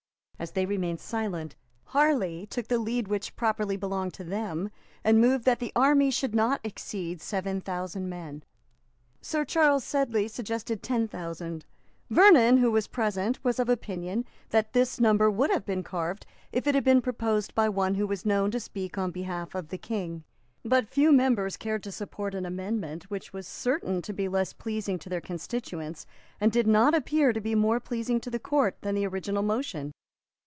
As they remained silent, Harley took the lead which properly belonged to them, and moved that the army should not exceed seven thousand men. Sir Charles Sedley suggested ten thousand. Vernon, who was present, was of opinion that this number would have been carved if it had been proposed by one who was known to speak on behalf of the King. But few members cared to support an amendment which was certain to be less pleasing to their constituents, and did not appear to be more pleasing to the Court, than the original motion.